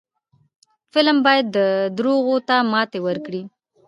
فلم باید دروغو ته ماتې ورکړي